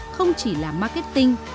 không chỉ là marketing